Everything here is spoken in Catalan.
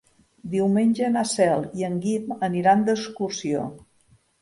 Diumenge na Cel i en Guim aniran d'excursió.